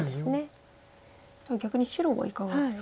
じゃあ逆に白はいかがですか？